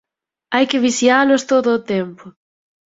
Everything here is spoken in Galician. Hai que vixialos todo o tempo.